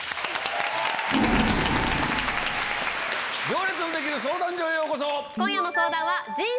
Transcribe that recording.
『行列のできる相談所』へようこそ。